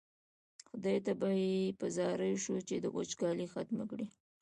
خدای ته به یې په زاریو شو چې وچکالي ختمه کړي.